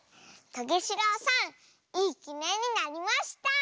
トゲしろうさんいいきねんになりました！